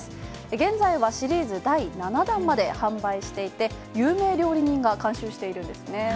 現在はシリーズ第７弾まで販売していて有名料理人が監修しているんですね。